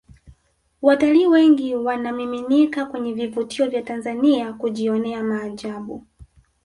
watalii wengi wanamiminika kwenye vivutio vya tanzania kujionea maajabu